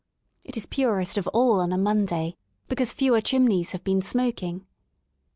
It is purest of all on a M on day , because fewer chimneys have been smoking.